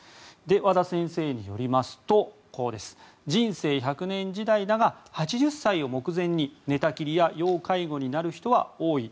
和田先生によりますと人生１００年時代だが８０歳を目前に寝たきりや要介護になる人は多い。